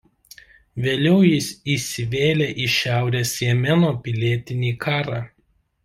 Vėliau jis įsivėlė į Šiaurės Jemeno pilietinį karą.